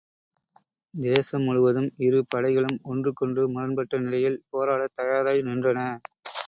தேசம் முழுவதும் இரு படைகளும் ஒன்றுக்கொன்று முரண்பட்ட நிலையில் போராடத் தயாராய் நின்றன.